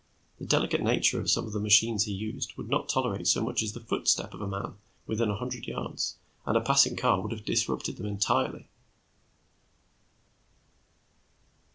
The delicate nature of some of the machines he used would not tolerate so much as the footsteps of a man within a hundred yards, and a passing car would have disrupted them entirely.